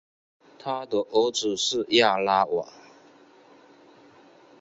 他的儿子是亚拉瓦。